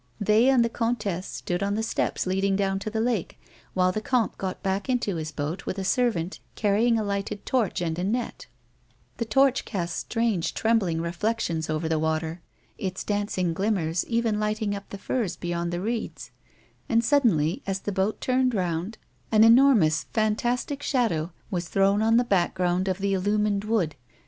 They and the comtesse stood on the steps leading down to the lake, while the comte got into hia boat with a servant carrying a lighted torch and a net The torch cast strange trembling reflections over the water, its dancing glimmers even lighting up the firs beyond the reeds ; and suddenly, as the boat turned round, an enormous fantastic shadow was thrown on the background of the illumined wood.